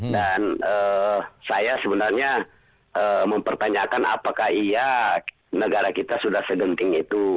dan saya sebenarnya mempertanyakan apakah iya negara kita sudah segenting itu